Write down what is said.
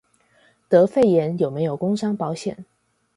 得肺炎有沒有工傷保險